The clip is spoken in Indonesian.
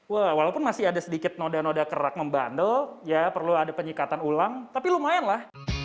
wah walaupun masih ada sedikit noda noda kerak membandel ya perlu ada penyekatan ulang tapi lumayan lah